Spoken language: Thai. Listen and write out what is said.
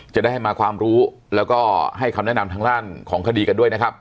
จะได้ให้มาความรู้แล้วก็ให้คำแนะนำทางด้านของคดีกันด้วยนะครับ